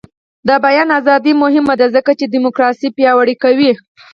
د بیان ازادي مهمه ده ځکه چې دیموکراسي پیاوړې کوي.